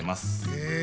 へえ。